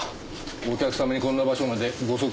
お客様にこんな場所までご足労頂いて。